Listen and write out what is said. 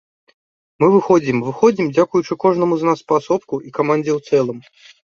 Мы выходзім, выходзім дзякуючы кожнаму з нас паасобку і камандзе ў цэлым.